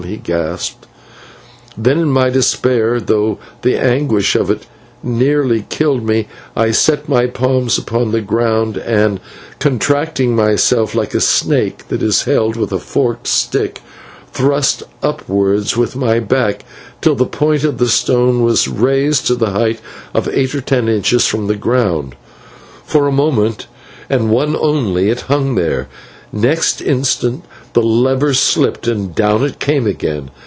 he gasped. Then in my despair, though the anguish of it nearly killed me, I set my palms upon the ground, and, contracting myself like a snake that is held with a forked stick, thrust upwards with my back till the point of the stone was raised to the height of eight or ten inches from the ground. For a moment, and one only, it hung there; next instant the lever slipped, and down it came again.